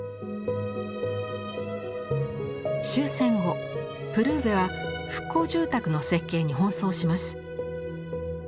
終戦後プルーヴェは復興住宅の設計に奔走します。